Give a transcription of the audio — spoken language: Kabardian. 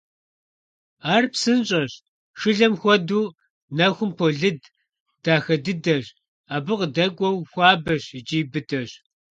Ар псынщӀэщ, шылэм хуэдэу нэхум полыд, дахэ дыдэщ, абы къыдэкӀуэу хуабэщ икӀи быдэщ.